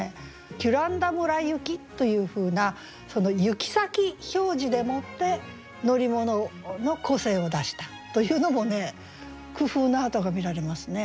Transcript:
「キュランダ村行き」というふうなその行き先表示でもって乗り物の個性を出したというのも工夫の跡が見られますね。